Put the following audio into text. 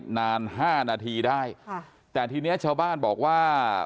นานห้านาทีได้ค่ะแต่ทีนี้ชาวบ้านบอกว่า